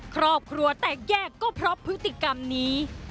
ครอบครัวแตกแยกก็เพราะพฤติกรรมนี้